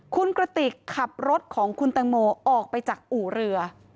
คุณกระติกขับรถของคุณตังโมออกไปจากอู่เรือ